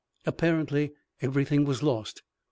Apparently everything was lost.